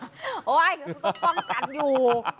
โอ้ยต้องป้องกันอยู่